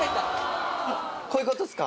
こういうことですか？